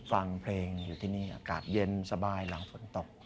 ฟังเพลงอยู่ที่นี่อากาศเย็นสบายหลังฝนตก